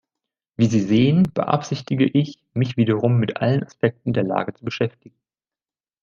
Wie Sie sehen, beabsichtige ich, mich wiederum mit allen Aspekten der Lage zu beschäftigen.